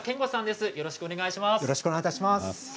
よろしくお願いします。